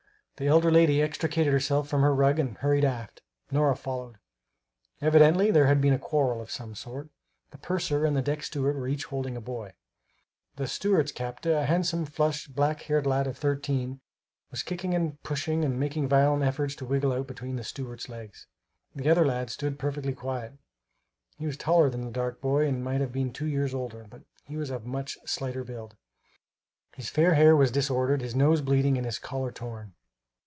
the elder lady extricated herself from her rug and hurried aft. Nora followed. Evidently there had been a quarrel of some sort. The purser and the deck steward were each holding a boy. The steward's captive, a handsome, flushed, black haired lad of thirteen, was kicking and pushing and making violent efforts to wiggle out between the steward's legs. The other lad stood perfectly quiet. He was taller than the dark boy and might have been two years older, but he was of a much slighter build. His fair hair was disordered, his nose bleeding, and his collar torn.